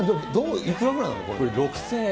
いくらぐらいなの？